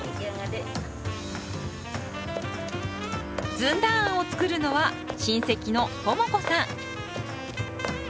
「ずんだあん」を作るのは親戚のトモ子さん。